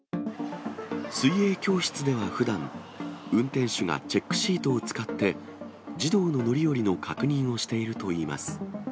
水泳教室ではふだん、運転手がチェックシートを使って、児童の乗り降りの確認をしているといいます。